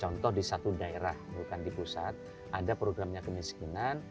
contoh di satu daerah bukan di pusat ada programnya kemiskinan